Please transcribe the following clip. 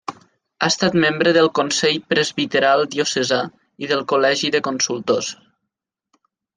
Ha estat membre del consell presbiteral diocesà i del col·legi de consultors.